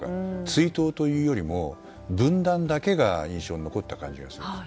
追悼というよりも分断だけが印象に残った感じがするんです。